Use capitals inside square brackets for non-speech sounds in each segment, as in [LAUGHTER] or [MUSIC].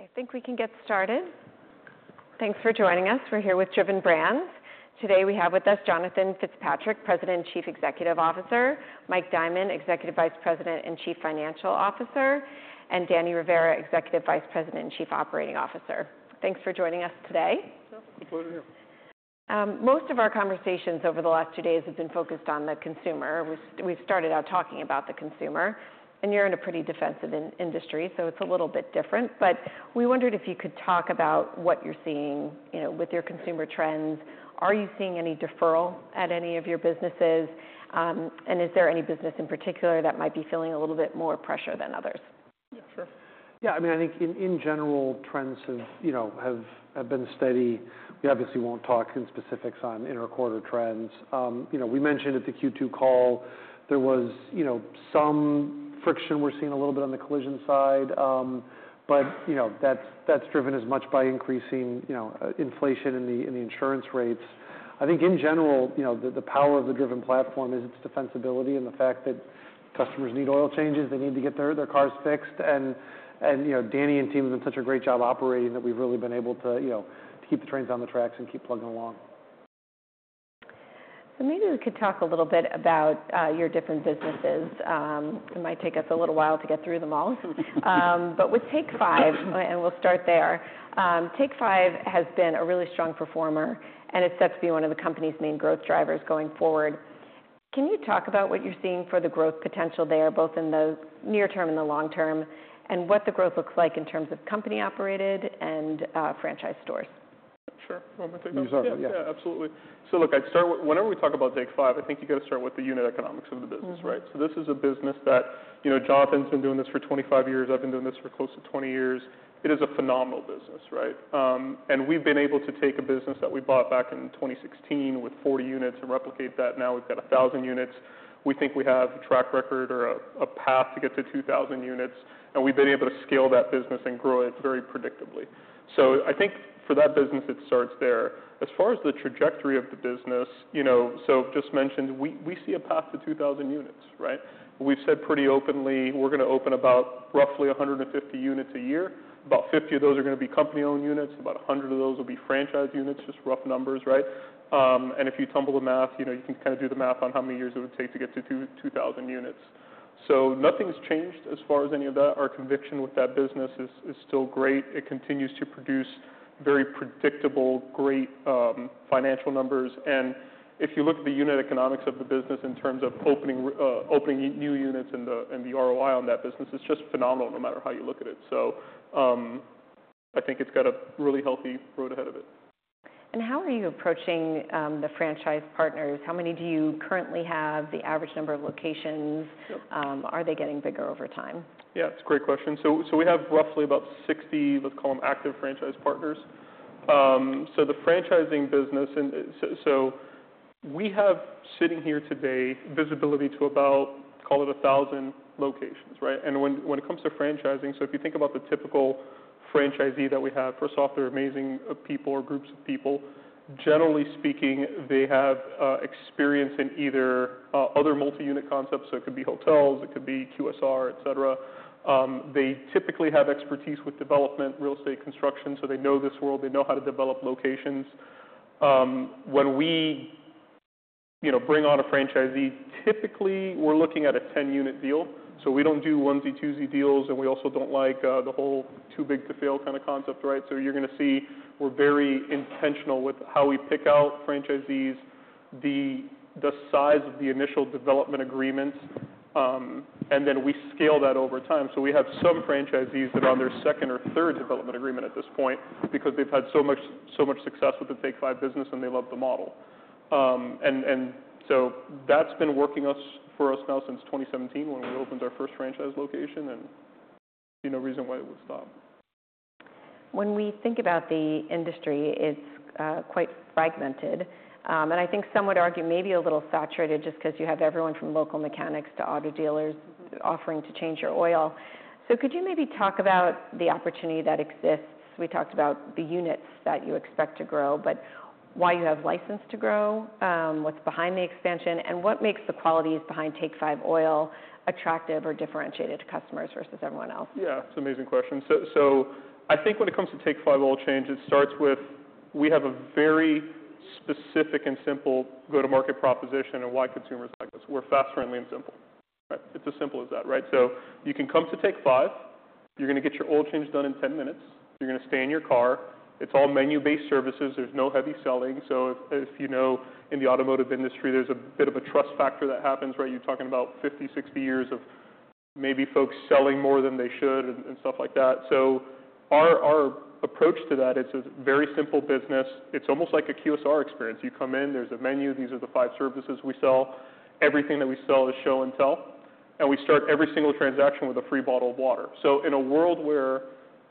Okay, I think we can get started. Thanks for joining us. We're here with Driven Brands. Today, we have with us Jonathan Fitzpatrick, President and Chief Executive Officer, Mike Diamond, Executive Vice President and Chief Financial Officer, and Danny Rivera, Executive Vice President and Chief Operating Officer. Thanks for joining us today. Yeah, good to be here. Most of our conversations over the last two days have been focused on the consumer. We started out talking about the consumer, and you're in a pretty defensive industry, so it's a little bit different. But we wondered if you could talk about what you're seeing, you know, with your consumer trends. Are you seeing any deferral at any of your businesses? And is there any business in particular that might be feeling a little bit more pressure than others? Yeah, sure. Yeah, I mean, I think in general, trends have, you know, have been steady. We obviously won't talk in specifics on inter-quarter trends. You know, we mentioned at the Q2 call, there was, you know, some friction we're seeing a little bit on the collision side. But, you know, that's driven as much by increasing, you know, inflation in the insurance rates. I think in general, you know, the power of the Driven platform is its defensibility and the fact that customers need oil changes, they need to get their cars fixed. And, you know, Danny and team have done such a great job operating, that we've really been able to, you know, keep the trains on the tracks and keep plugging along. So maybe we could talk a little bit about your different businesses. It might take us a little while to get through them all. But with Take Five, and we'll start there, Take Five has been a really strong performer, and it's set to be one of the company's main growth drivers going forward. Can you talk about what you're seeing for the growth potential there, both in the near term and the long term, and what the growth looks like in terms of company-operated and franchise stores? Sure. You want me to take that? You start, yeah. Yeah, absolutely. So look, I'd start with, whenever we talk about Take Five, I think you got to start with the unit economics of the business, right? Mm-hmm. So this is a business that, you know, Jonathan's been doing this for 25 years. I've been doing this for close to 20 years. It is a phenomenal business, right? And we've been able to take a business that we bought back in 2016 with 40 units and replicate that. Now we've got 1,000 units. We think we have a track record or a path to get to 2,000 units, and we've been able to scale that business and grow it very predictably. So I think for that business, it starts there. As far as the trajectory of the business, you know, so just mentioned, we see a path to 2,000 units, right? We've said pretty openly, we're gonna open about roughly 150 units a year. About 50 of those are gonna be company-owned units. About a 100 of those will be franchise units. Just rough numbers, right? And if you tumble the math, you know, you can kind of do the math on how many years it would take to get to 2000 units. So nothing's changed as far as any of that. Our conviction with that business is still great. It continues to produce very predictable, great, financial numbers. And if you look at the unit economics of the business in terms of opening new units and the ROI on that business, it's just phenomenal no matter how you look at it. So, I think it's got a really healthy road ahead of it. How are you approaching the franchise partners? How many do you currently have, the average number of locations? Yep. Are they getting bigger over time? Yeah, it's a great question, so we have roughly about 60, let's call them active franchise partners. The franchising business, so we have, sitting here today, visibility to about, call it 1,000 locations, right? And when it comes to franchising, if you think about the typical franchisee that we have, first off, they're amazing people or groups of people. Generally speaking, they have experience in either other multi-unit concepts, so it could be hotels, it could be QSR, etc. They typically have expertise with development, real estate construction, so they know this world, they know how to develop locations. When we, you know, bring on a franchisee, typically, we're looking at a 10-unit deal. So we don't do onesie-twosie deals, and we also don't like the whole too big to fail kind of concept, right? So you're gonna see we're very intentional with how we pick out franchisees, the size of the initial development agreements, and then we scale that over time. So we have some franchisees that are on their second or third development agreement at this point because they've had so much success with the Take Five business, and they love the model. And so that's been working for us now since 2017 when we opened our first franchise location, and see no reason why it would stop. When we think about the industry, it's quite fragmented, and I think some would argue maybe a little saturated just 'cause you have everyone from local mechanics to auto dealers offering to change your oil. So could you maybe talk about the opportunity that exists? We talked about the units that you expect to grow, but why you have license to grow, what's behind the expansion, and what makes the qualities Take Five Oil Change attractive or differentiated to customers versus everyone else? Yeah, it's an amazing question. So I think when it comes Take Five Oil Change, it starts with, we have a very specific and simple go-to-market proposition and why consumers like us. We're fast, friendly, and simple, right? It's as simple as that, right? So you can come to Take Five, you're gonna get your oil change done in ten minutes, you're gonna stay in your car, it's all menu-based services. There's no heavy selling. So if you know, in the automotive industry, there's a bit of a trust factor that happens, right? You're talking about 50, 60 years of maybe folks selling more than they should and stuff like that. So our approach to that, it's a very simple business. It's almost like a QSR experience. You come in, there's a menu. These are the five services we sell. Everything that we sell is show and tell, and we start every single transaction with a free bottle of water. So in a world where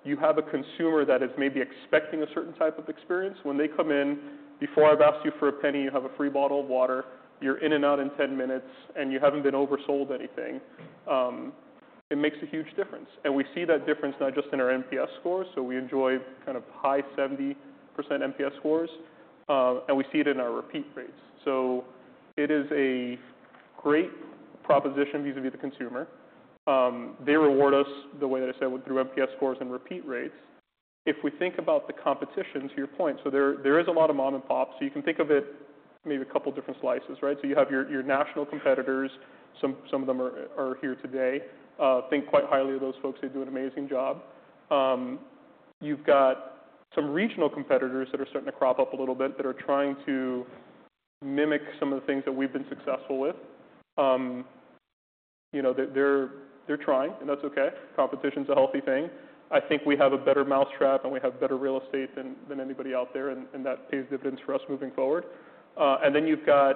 you have a consumer that is maybe expecting a certain type of experience, when they come in, before I've asked you for a penny, you have a free bottle of water, you're in and out in 10 minutes, and you haven't been oversold anything, it makes a huge difference. And we see that difference not just in our NPS scores, so we enjoy kind of high 70% NPS scores, and we see it in our repeat rates. So it is great proposition vis-a-vis the consumer. They reward us the way that I said, through NPS scores and repeat rates. If we think about the competition, to your point, so there is a lot of mom and pop, so you can think of it maybe a couple different slices, right? So you have your national competitors. Some of them are here today. Think quite highly of those folks. They do an amazing job. You've got some regional competitors that are starting to crop up a little bit, that are trying to mimic some of the things that we've been successful with. You know, they're trying, and that's okay, competition's a healthy thing. I think we have a better mousetrap, and we have better real estate than anybody out there, and that pays dividends for us moving forward. And then you've got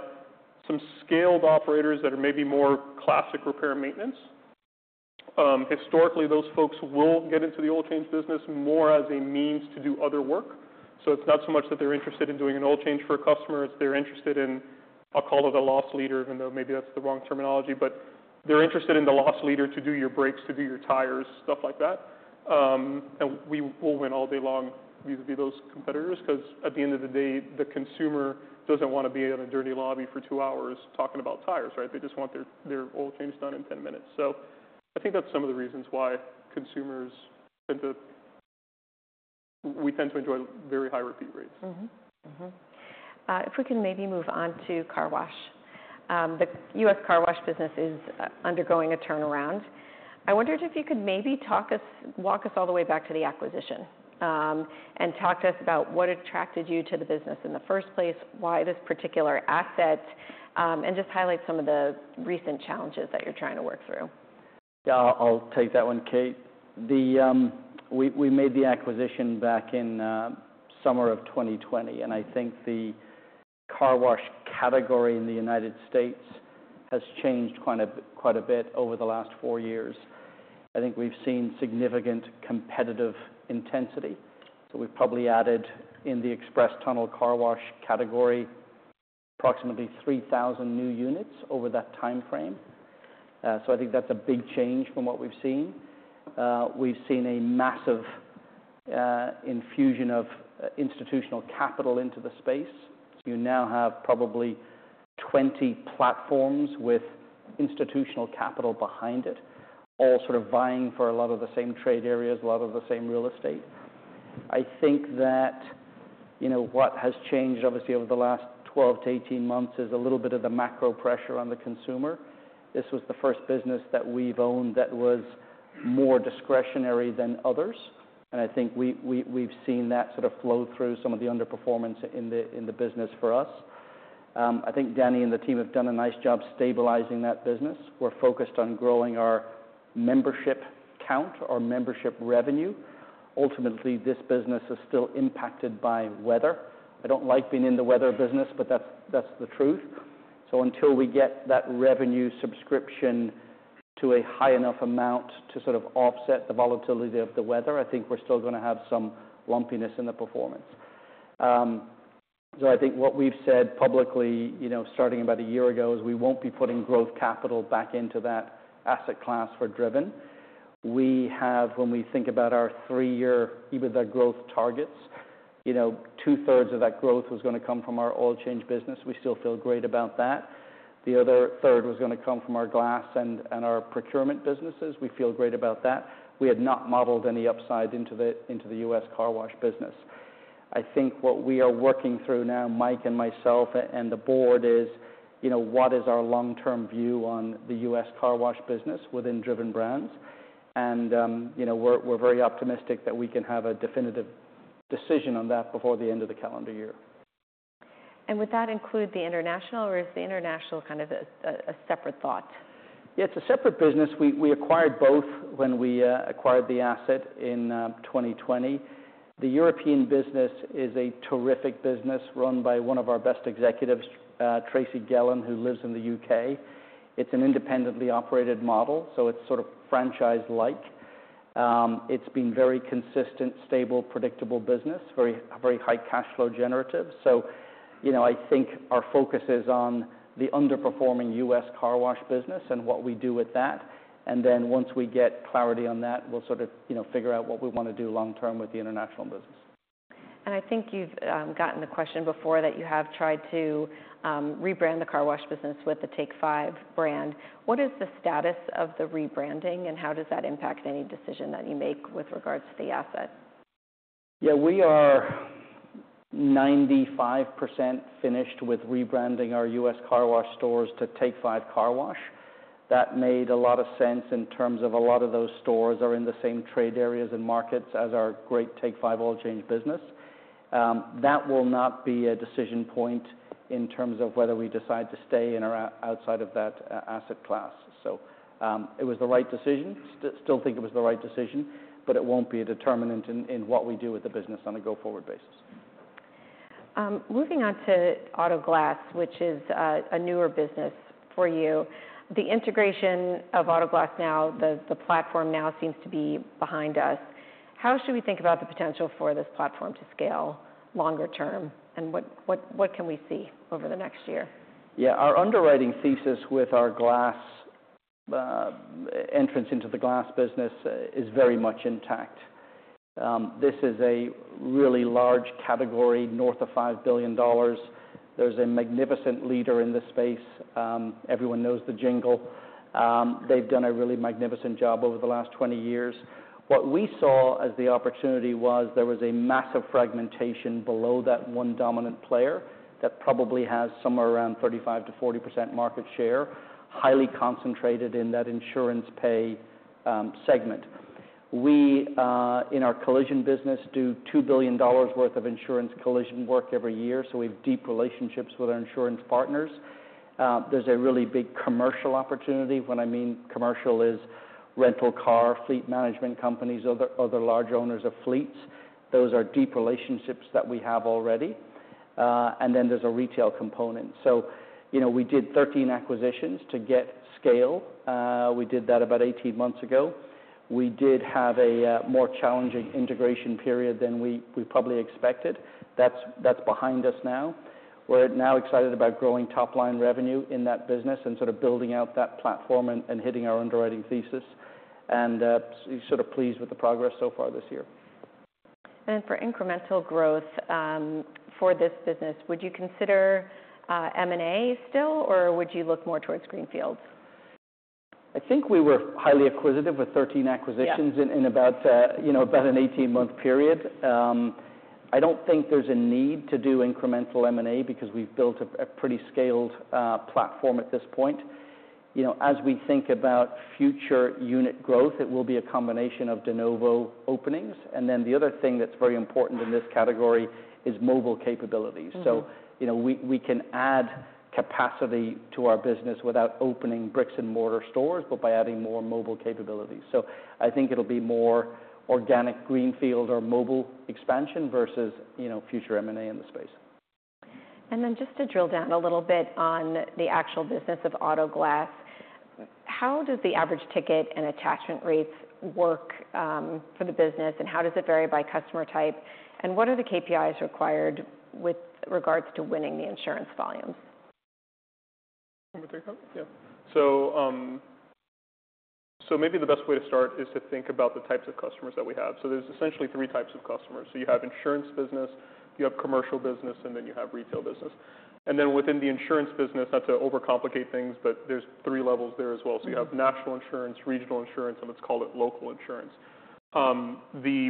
some scaled operators that are maybe more classic repair and maintenance. Historically, those folks will get into the oil change business more as a means to do other work. So it's not so much that they're interested in doing an oil change for a customer, it's they're interested in, I'll call it a loss leader, even though maybe that's the wrong terminology, but they're interested in the loss leader to do your brakes, to do your tires, stuff like that. And we will win all day long vis-a-vis those competitors, 'cause at the end of the day, the consumer doesn't wanna be in a dirty lobby for two hours talking about tires, right? They just want their oil change done in 10 minutes. So I think that's some of the reasons why consumers tend to [INAUDIBLE] We tend to enjoy very high repeat rates. Mm-hmm. Mm-hmm. If we can maybe move on to car wash. The U.S. car wash business is undergoing a turnaround. I wondered if you could maybe walk us all the way back to the acquisition, and talk to us about what attracted you to the business in the first place, why this particular asset, and just highlight some of the recent challenges that you're trying to work through. Yeah, I'll take that one, Kate. The, we made the acquisition back in summer of 2020, and I think the car wash category in the United States has changed quite a bit over the last four years. I think we've seen significant competitive intensity, so we've probably added in the express tunnel car wash category approximately three thousand new units over that timeframe. So I think that's a big change from what we've seen. We've seen a massive infusion of institutional capital into the space, so you now have probably 20 platforms with institutional capital behind it, all sort of vying for a lot of the same trade areas, a lot of the same real estate. I think that, you know, what has changed obviously over the last 12-18 months is a little bit of the macro pressure on the consumer. This was the first business that we've owned that was more discretionary than others, and I think we've seen that sort of flow through some of the underperformance in the business for us. I think Danny and the team have done a nice job stabilizing that business. We're focused on growing our membership count, our membership revenue. Ultimately, this business is still impacted by weather. I don't like being in the weather business, but that's the truth, so until we get that revenue subscription to a high enough amount to sort of offset the volatility of the weather, I think we're still gonna have some lumpiness in the performance. So I think what we've said publicly, you know, starting about a year ago, is we won't be putting growth capital back into that asset class for Driven. We have, when we think about our three-year EBITDA growth targets, you know, 2/3 of that growth was gonna come from our oil change business. We still feel great about that. The other 1/3 was gonna come from our glass and our procurement businesses. We feel great about that. We had not modeled any upside into the U.S. car wash business. I think what we are working through now, Mike and myself, and the board, is, you know, what is our long-term view on the U.S. car wash business within Driven Brands? And, you know, we're very optimistic that we can have a definitive decision on that before the end of the calendar year. And would that include the international, or is the international kind of a separate thought? Yeah, it's a separate business. We acquired both when we acquired the asset in 2020. The European business is a terrific business, run by one of our best executives, Tracy Gallen, who lives in the U.K. It's an independently operated model, so it's sort of franchise-like. It's been very consistent, stable, predictable business, very, very high cash flow generative. So you know, I think our focus is on the underperforming U.S. car wash business and what we do with that, and then once we get clarity on that, we'll sort of, you know, figure out what we wanna do long term with the international business. And I think you've gotten the question before, that you have tried to rebrand the car wash business with the Take Five brand. What is the status of the rebranding, and how does that impact any decision that you make with regards to the asset? Yeah, we are 95% finished with rebranding our U.S. car wash stores to Take Five Car Wash. That made a lot of sense in terms of a lot of those stores are in the same trade areas and markets as our Take Five Oil Change business. That will not be a decision point in terms of whether we decide to stay in or out of that asset class. So, it was the right decision. Still think it was the right decision, but it won't be a determinant in what we do with the business on a go-forward basis. Moving on to Auto Glass, which is a newer business for you. The integration of Auto Glass Now, the platform now seems to be behind us. How should we think about the potential for this platform to scale longer term, and what can we see over the next year? Yeah, our underwriting thesis with our glass entrance into the glass business is very much intact. This is a really large category, north of $5 billion. There's a magnificent leader in this space, everyone knows the jingle. They've done a really magnificent job over the last 20 years. What we saw as the opportunity was there was a massive fragmentation below that one dominant player, that probably has somewhere around 35%-40% market share, highly concentrated in that insurance payer segment. We in our collision business do $2 billion worth of insurance collision work every year, so we have deep relationships with our insurance partners. There's a really big commercial opportunity. When I mean commercial is rental car, fleet management companies, other large owners of fleets. Those are deep relationships that we have already. And then there's a retail component. So, you know, we did 13 acquisitions to get scale. We did that about 18 months ago. We did have a more challenging integration period than we probably expected. That's behind us now. We're now excited about growing top-line revenue in that business and sort of building out that platform and hitting our underwriting thesis, and sort of pleased with the progress so far this year. For incremental growth for this business, would you consider M&A still, or would you look more towards greenfields? I think we were highly acquisitive with 13 acquisitions Yeah. in about, you know, about an 18 month period. I don't think there's a need to do incremental M&A because we've built a pretty scaled platform at this point. You know, as we think about future unit growth, it will be a combination of de novo openings. And then the other thing that's very important in this category is mobile capabilities. Mm-hmm. You know, we can add capacity to our business without opening bricks-and-mortar stores, but by adding more mobile capabilities. I think it'll be more organic greenfield or mobile expansion versus, you know, future M&A in the space. And then just to drill down a little bit on the actual business of auto glass, how does the average ticket and attachment rates work, for the business, and how does it vary by customer type? And what are the KPIs required with regards to winning the insurance volumes? You want me take that? Yeah, so maybe the best way to start is to think about the types of customers that we have. There's essentially three types of customers. You have insurance business, you have commercial business, and then you have retail business, and then within the insurance business, not to overcomplicate things, but there's three levels there as well. Mm-hmm. So you have national insurance, regional insurance, and let's call it local insurance. The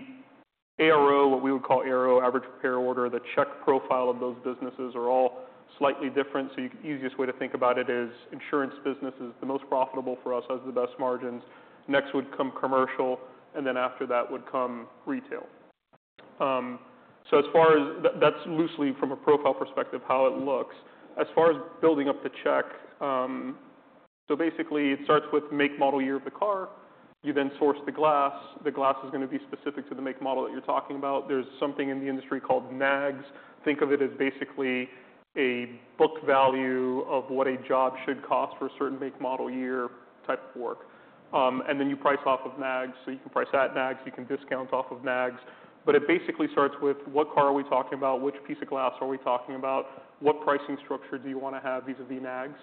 ARO, what we would call ARO, average repair order, the check profile of those businesses are all slightly different. Easiest way to think about it is insurance business is the most profitable for us, has the best margins. Next would come commercial, and then after that would come retail. So as far as... That, that's loosely, from a profile perspective, how it looks. As far as building up the check, so basically, it starts with make, model, year of the car. You then source the glass. The glass is gonna be specific to the make and model that you're talking about. There's something in the industry called NAGS. Think of it as basically a book value of what a job should cost for a certain make, model, year type of work. And then you price off of NAGS. So you can price at NAGS, you can discount off of NAGS, but it basically starts with, what car are we talking about? Which piece of glass are we talking about? What pricing structure do you want to have vis-a-vis NAGS?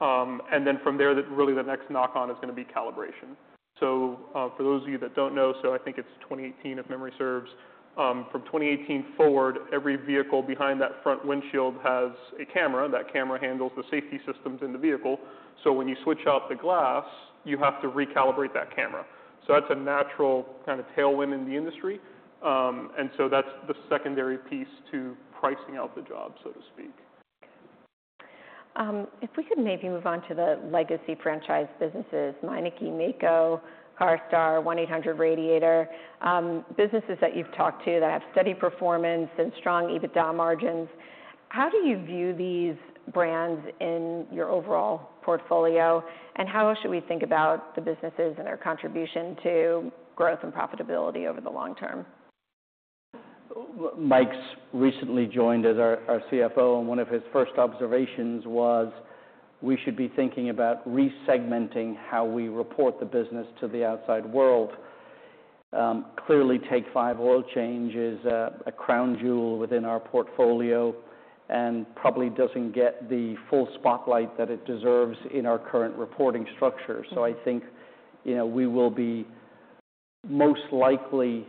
And then from there, really, the next knock on is gonna be calibration. So, for those of you that don't know, so I think it's 2018, if memory serves, from 2018 forward, every vehicle behind that front windshield has a camera. That camera handles the safety systems in the vehicle. So when you switch out the glass, you have to recalibrate that camera. So that's a natural kind of tailwind in the industry. And so that's the secondary piece to pricing out the job, so to speak. If we could maybe move on to the legacy franchise businesses, Meineke, Maaco, CARSTAR, 1-800-Radiator, businesses that you've talked to that have steady performance and strong EBITDA margins. How do you view these brands in your overall portfolio, and how should we think about the businesses and their contribution to growth and profitability over the long term? Mike's recently joined as our CFO, and one of his first observations was, we should be thinking about re-segmenting how we report the business to the outside world. Take Five Oil Change is a crown jewel within our portfolio and probably doesn't get the full spotlight that it deserves in our current reporting structure. Mm-hmm. I think, you know, we will be most likely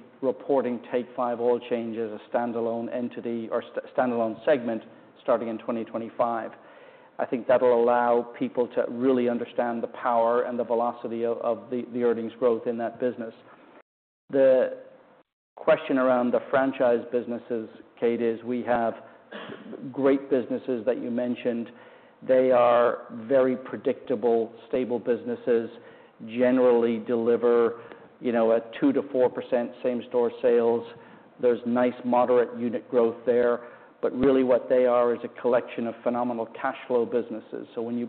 Take Five Oil Change as a standalone entity or standalone segment starting in 2025. I think that'll allow people to really understand the power and the velocity of the earnings growth in that business. The question around the franchise businesses, Kate, is we have great businesses that you mentioned. They are very predictable, stable businesses, generally deliver, you know, a 2%-4% same-store sales. There's nice, moderate unit growth there. But really what they are is a collection of phenomenal cash flow businesses. So when you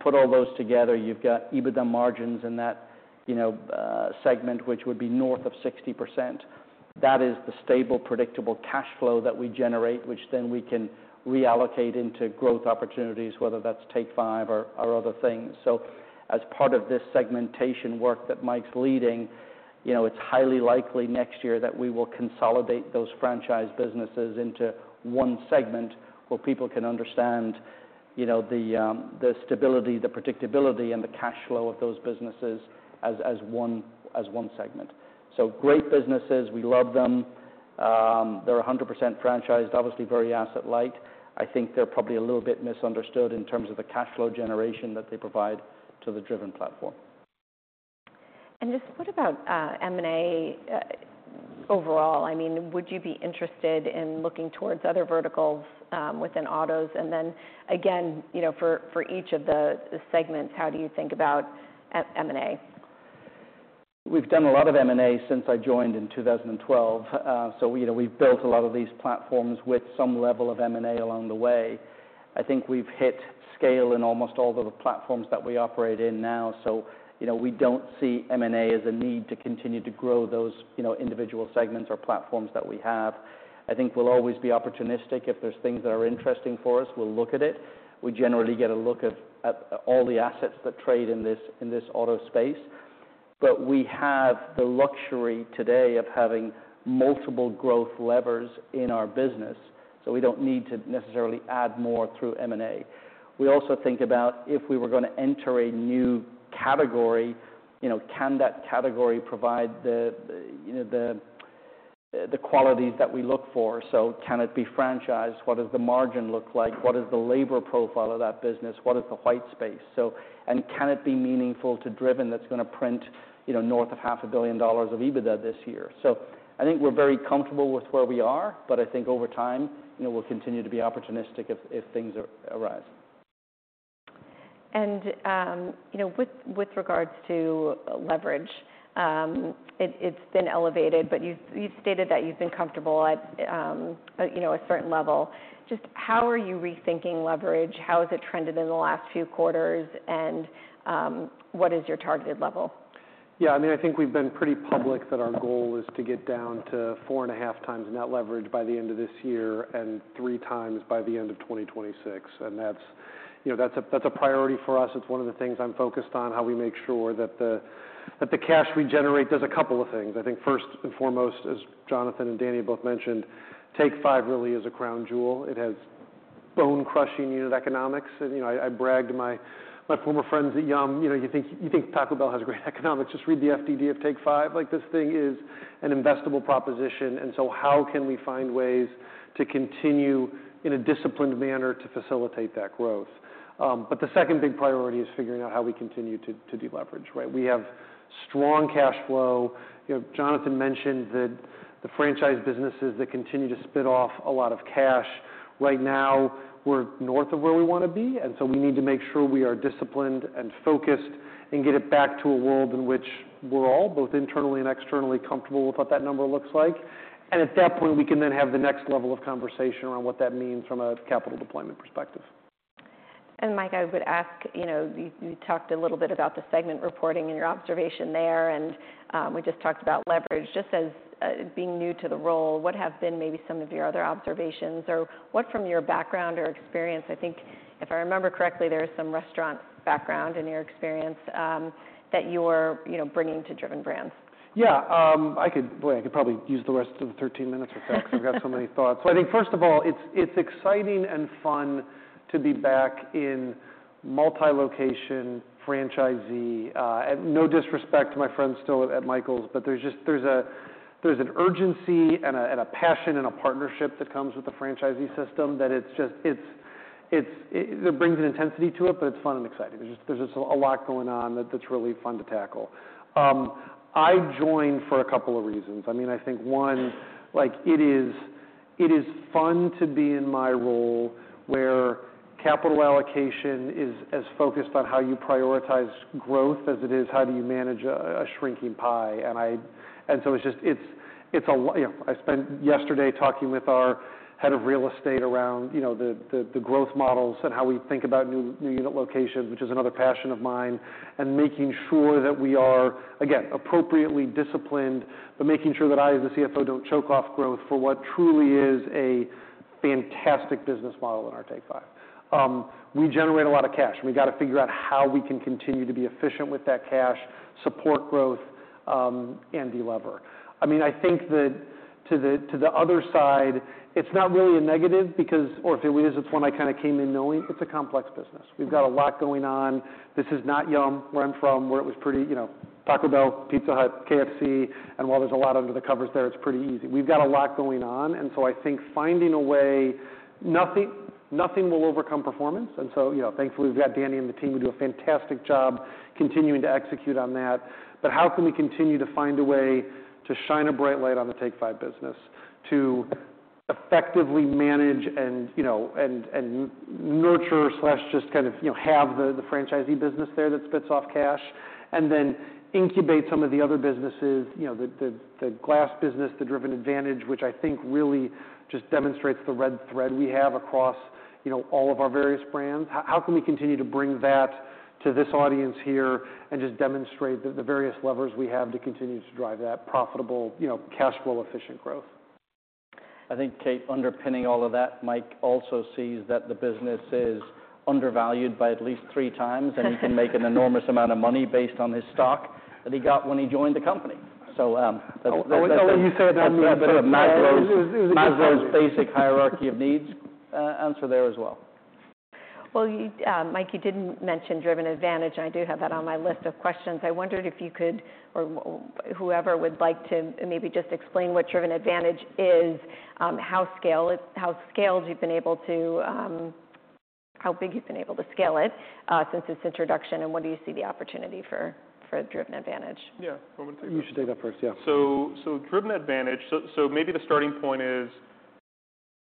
put all those together, you've got EBITDA margins in that, you know, segment, which would be north of 60%. That is the stable, predictable cash flow that we generate, which then we can reallocate into growth opportunities, whether that's Take Five or, or other things. So as part of this segmentation work that Mike's leading, you know, it's highly likely next year that we will consolidate those franchise businesses into one segment, where people can understand, you know, the stability, the predictability, and the cash flow of those businesses as one segment. So great businesses, we love them. They're 100% franchised, obviously, very asset light. I think they're probably a little bit misunderstood in terms of the cash flow generation that they provide to the Driven platform. And just what about M&A overall? I mean, would you be interested in looking towards other verticals within autos? And then again, you know, for each of the segments, how do you think about M&A? We've done a lot of M&A since I joined in 2012. So, you know, we've built a lot of these platforms with some level of M&A along the way. I think we've hit scale in almost all of the platforms that we operate in now. So, you know, we don't see M&A as a need to continue to grow those, you know, individual segments or platforms that we have. I think we'll always be opportunistic. If there's things that are interesting for us, we'll look at it. We generally get a look at all the assets that trade in this, in this auto space. But we have the luxury today of having multiple growth levers in our business, so we don't need to necessarily add more through M&A. We also think about if we were gonna enter a new category, you know, can that category provide the, you know, the, the qualities that we look for? So can it be franchised? What does the margin look like? What is the labor profile of that business? What is the white space? So and can it be meaningful to Driven that's gonna print, you know, north of $500 million of EBITDA this year? So I think we're very comfortable with where we are, but I think over time, you know, we'll continue to be opportunistic if things arise. You know, with regards to leverage, it's been elevated, but you've stated that you've been comfortable at, you know, a certain level. Just how are you rethinking leverage? How has it trended in the last few quarters, and what is your targeted level? Yeah, I mean, I think we've been pretty public that our goal is to get down to four and a half times net leverage by the end of this year, and three times by the end of 2026. And that's, you know, that's a, that's a priority for us. It's one of the things I'm focused on, how we make sure that the, that the cash we generate does a couple of things. I think first and foremost, as Jonathan and Danny both mentioned, Take Five really is a crown jewel. It has bone-crushing unit economics. And, you know, I, I bragged to my, my former friends at Yum! You know, you think, you think Taco Bell has great economics? Just read the FDD of Take Five. Like, this thing is an investable proposition, and so how can we find ways to continue, in a disciplined manner, to facilitate that growth? But the second big priority is figuring out how we continue to deleverage, right? We have strong cash flow. You know, Jonathan mentioned the franchise businesses that continue to spit off a lot of cash. Right now, we're north of where we want to be, and so we need to make sure we are disciplined and focused and get it back to a world in which we're all, both internally and externally, comfortable with what that number looks like. And at that point, we can then have the next level of conversation around what that means from a capital deployment perspective. And Mike, I would ask, you know, you talked a little bit about the segment reporting and your observation there, and we just talked about leverage. Just as being new to the role, what have been maybe some of your other observations, or what from your background or experience, I think if I remember correctly, there is some restaurant background in your experience that you're, you know, bringing to Driven Brands? Yeah, I could, boy, I could probably use the rest of the 13 minutes with that because I've got so many thoughts. So I think, first of all, it's exciting and fun to be back in multi-location franchisee. And no disrespect to my friends still at Michaels, but there's just an urgency and a passion, and a partnership that comes with the franchisee system, that it's just it brings an intensity to it, but it's fun and exciting. There's just a lot going on that's really fun to tackle. I joined for a couple of reasons. I mean, I think one, like, it is fun to be in my role, where capital allocation is as focused on how you prioritize growth as it is, how do you manage a shrinking pie? And so it's just a little. You know, I spent yesterday talking with our head of real estate around you know the growth models and how we think about new unit locations, which is another passion of mine, and making sure that we are again appropriately disciplined, but making sure that I, as the CFO, don't choke off growth for what truly is a fantastic business model in our Take Five. We generate a lot of cash, and we've got to figure out how we can continue to be efficient with that cash, support growth, and delever. I mean, I think that to the other side, it's not really a negative because. Or if it is, it's one I kind of came in knowing: it's a complex business. We've got a lot going on. This is not Yum!, where I'm from, where it was pretty, you know, Taco Bell, Pizza Hut, KFC, and while there's a lot under the covers there, it's pretty easy. We've got a lot going on, and so I think finding a way, nothing, nothing will overcome performance, and so, you know, thankfully, we've got Danny and the team who do a fantastic job continuing to execute on that. But how can we continue to find a way to shine a bright light on the Take Five business, to effectively manage and, you know, and, and nurture/just kind of, you know, have the, the franchisee business there that spits off cash, and then incubate some of the other businesses? You know, the, the, the glass business, the Driven Advantage, which I think really just demonstrates the red thread we have across, you know, all of our various brands. How can we continue to bring that to this audience here and just demonstrate the various levers we have to continue to drive that profitable, you know, cash flow, efficient growth? I think, Kate, underpinning all of that, Mike also sees that the business is undervalued by at least three times, and he can make an enormous amount of money based on his stock that he got when he joined the company. So, that's The way you said it, I mean, Maslow's basic hierarchy of needs, answer there as well. Well, you, Mike, you didn't mention Driven Advantage, and I do have that on my list of questions. I wondered if you could, or whoever would like to, maybe just explain what Driven Advantage is, how scaled you've been able to, How big you've been able to scale it, since its introduction, and what do you see the opportunity for, for Driven Advantage? Yeah. You should take that first. Yeah. So maybe the starting point is,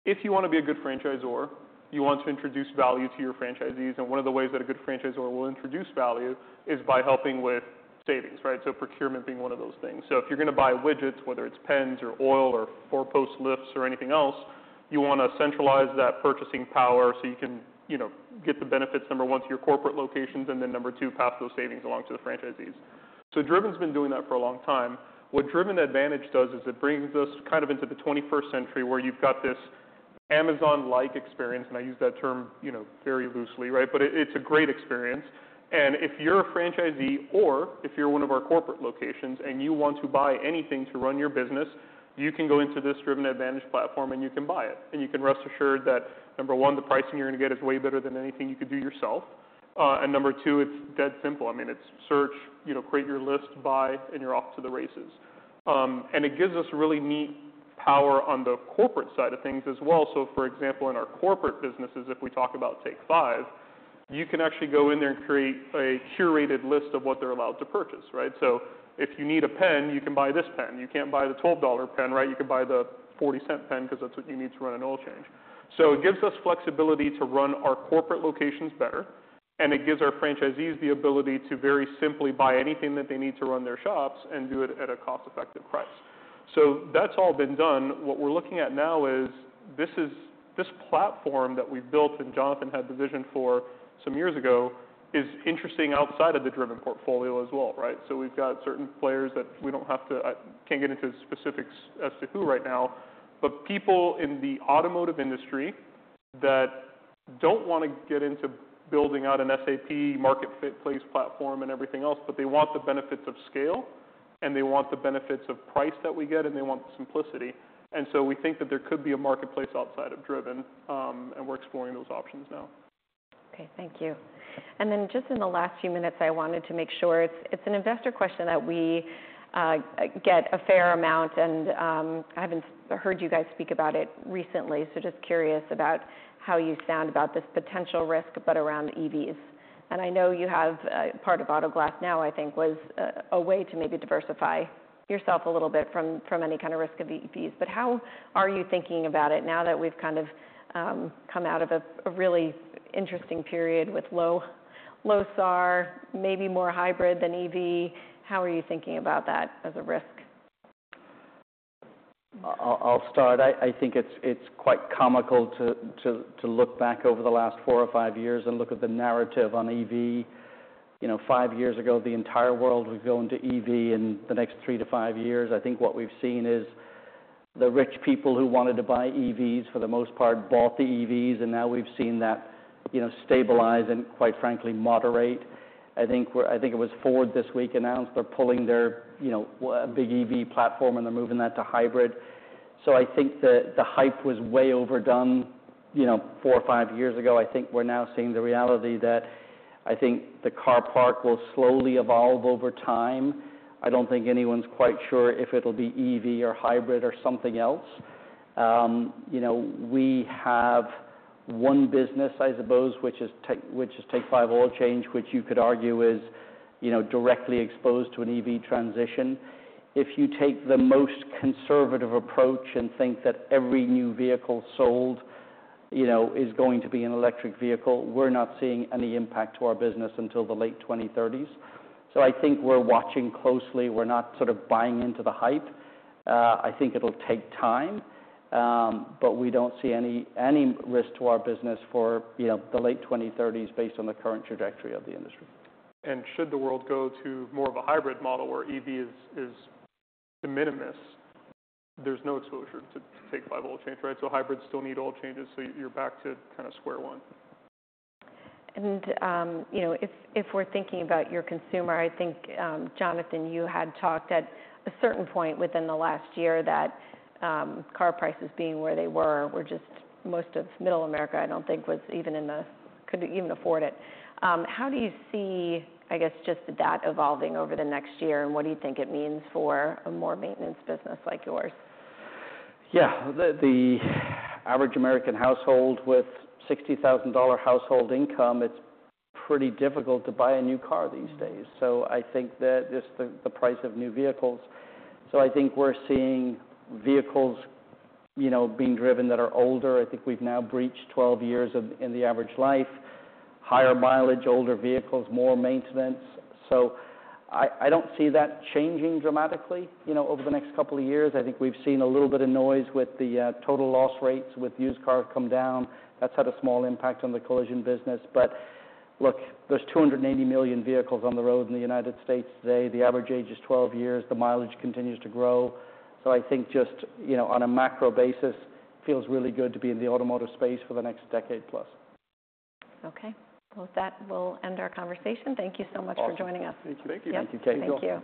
if you want to be a good franchisor, you want to introduce value to your franchisees, and one of the ways that a good franchisor will introduce value is by helping with savings, right? So procurement being one of those things. So if you're going to buy widgets, whether it's pens or oil or four post lifts or anything else, you want to centralize that purchasing power so you can, you know, get the benefits, number one, to your corporate locations, and then number two, pass those savings along to the franchisees. So Driven's been doing that for a long time. What Driven Advantage does is it brings us kind of into the twenty-first century, where you've got this Amazon-like experience, and I use that term, you know, very loosely, right? But it's a great experience. And if you're a franchisee or if you're one of our corporate locations and you want to buy anything to run your business, you can go into this Driven Advantage platform, and you can buy it. And you can rest assured that, number one, the pricing you're going to get is way better than anything you could do yourself. And number two, it's dead simple. I mean, it's search, you know, create your list, buy, and you're off to the races. And it gives us really neat power on the corporate side of things as well. So for example, in our corporate businesses, if we talk about Take Five, you can actually go in there and create a curated list of what they're allowed to purchase, right? So if you need a pen, you can buy this pen. You can't buy the $12 pen, right? You can buy the $0.40 pen, 'cause that's what you need to run an oil change. So it gives us flexibility to run our corporate locations better, and it gives our franchisees the ability to very simply buy anything that they need to run their shops and do it at a cost-effective price. So that's all been done. What we're looking at now is this platform that we've built, and Jonathan had the vision for some years ago, is interesting outside of the Driven portfolio as well, right? So we've got certain players that we don't have to, can't get into specifics as to who right now, but people in the automotive industry that don't want to get into building out an SAP marketplace platform and everything else, but they want the benefits of scale, and they want the benefits of price that we get, and they want the simplicity. And so we think that there could be a marketplace outside of Driven, and we're exploring those options now. Okay, thank you. And then, just in the last few minutes, I wanted to make sure, It's an investor question that we get a fair amount, and I haven't heard you guys speak about it recently. So just curious about how you sound about this potential risk, but around EVs. And I know you have part of Auto Glass Now, I think, was a way to maybe diversify yourself a little bit from any kind of risk of EVs. But how are you thinking about it now that we've kind of come out of a really interesting period with low SAR, maybe more hybrid than EV? How are you thinking about that as a risk? I'll start. I think it's quite comical to look back over the last four or five years and look at the narrative on EV. You know, five years ago, the entire world was going to EV in the next three to five years. I think what we've seen is the rich people who wanted to buy EVs, for the most part, bought the EVs, and now we've seen that, you know, stabilize and, quite frankly, moderate. I think we're. I think it was Ford this week announced they're pulling their, you know, big EV platform, and they're moving that to hybrid. So I think the hype was way overdone, you know, four or five years ago. I think we're now seeing the reality that I think the car park will slowly evolve over time. I don't think anyone's quite sure if it'll be EV or hybrid or something else. You know, we have one business, I suppose, which is Take Five, which Take Five Oil Change, which you could argue is, you know, directly exposed to an EV transition. If you take the most conservative approach and think that every new vehicle sold, you know, is going to be an electric vehicle, we're not seeing any impact to our business until the late 2030s. So I think we're watching closely. We're not sort of buying into the hype. I think it'll take time, but we don't see any risk to our business for, you know, the late 2030s based on the current trajectory of the industry. And should the world go to more of a hybrid model where EV is de minimis, there's no exposure Take Five Oil Change, right? So hybrids still need oil changes, so you're back to kind of square one. You know, if we're thinking about your consumer, I think, Jonathan, you had talked at a certain point within the last year that car prices being where they were were just most of Middle America, I don't think could even afford it. How do you see, I guess, just that evolving over the next year, and what do you think it means for a more maintenance business like yours? Yeah. The average American household with a $60,000 household income, it's pretty difficult to buy a new car these days. So I think that just the price of new vehicles. So I think we're seeing vehicles, you know, being driven that are older. I think we've now breached 12 years in the average life. Higher mileage, older vehicles, more maintenance, so I don't see that changing dramatically, you know, over the next couple of years. I think we've seen a little bit of noise with the total loss rates with used cars come down. That's had a small impact on the collision business, but look, there's 280 million vehicles on the road in the United States today. The average age is 12 years. The mileage continues to grow, so I think just, you know, on a macro basis, feels really good to be in the automotive space for the next decade plus. Okay. With that, we'll end our conversation. Thank you so much for joining us. Awesome. Thank you. Thank you, Kate. Thank you.